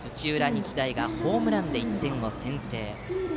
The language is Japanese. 日大がホームランで１点を先制。